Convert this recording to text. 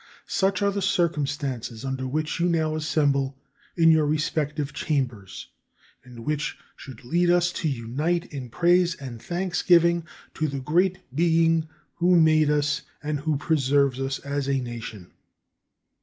Such are the circumstances under which you now assemble in your respective chambers and which should lead us to unite in praise and thanksgiving to that great Being who made us and who preserves us as a nation.